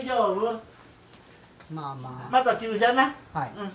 うん。